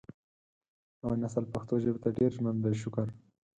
نوی نسل پښتو ژبې ته ډېر ژمن دی شکر